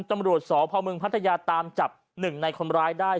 ตำรวจสพมพัทยาตามจับหนึ่งในคนร้ายได้